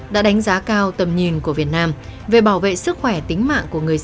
đã đánh giá cao tầm nhìn của việt nam về bảo vệ sức khỏe tính mạng của người dân